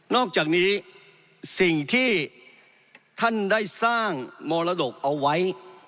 อกจากนี้สิ่งที่ท่านได้สร้างมรดกเอาไว้